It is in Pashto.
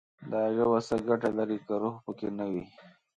دا ژبه څه ګټه لري، که روح پکې نه وي»